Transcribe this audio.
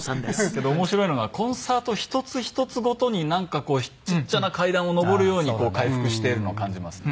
けど面白いのがコンサート一つ一つごとになんかこうちっちゃな階段を上るように回復しているのを感じますね。